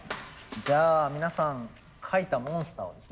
じゃあ皆さん描いたモンスターをですね